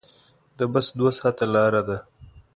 د بس دوه ساعته لاره ده.